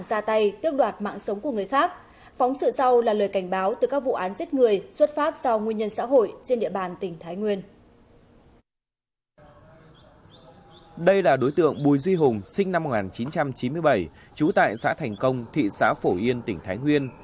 đây là đối tượng bùi duy hùng sinh năm một nghìn chín trăm chín mươi bảy trú tại xã thành công thị xã phổ yên tỉnh thái nguyên